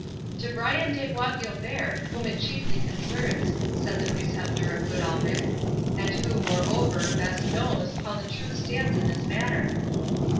"To Brian de Bois Guilbert, whom it chiefly concerns," said the Preceptor of Goodalricke, "and who, moreover, best knows how the truth stands in this matter."